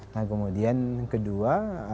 nah kemudian kedua